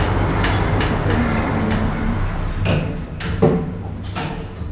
Usiseme maneno mabaya.